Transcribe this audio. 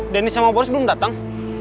dennis sama boris belum datang